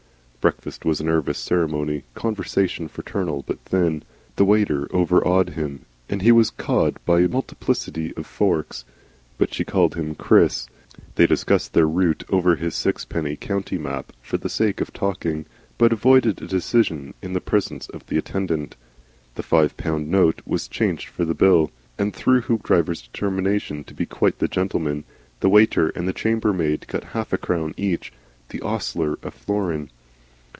Breakfast was a nervous ceremony, conversation fraternal but thin; the waiter overawed him, and he was cowed by a multiplicity of forks. But she called him "Chris." They discussed their route over his sixpenny county map for the sake of talking, but avoided a decision in the presence of the attendant. The five pound note was changed for the bill, and through Hoopdriver's determination to be quite the gentleman, the waiter and chambermaid got half a crown each and the ostler a florin.